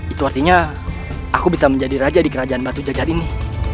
itu artinya aku bisa menjadi raja di kerajaan batu jajan ini